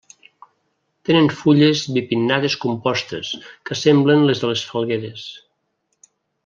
Tenen fulles bipinnades compostes que semblen les de les falgueres.